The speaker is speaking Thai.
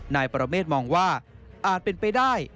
นายประเมฆมองว่าอาจเป็นไปได้